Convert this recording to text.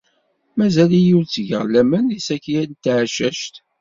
Mazal-iyi ur ttgeɣ laman deg Zakiya n Tɛeccact.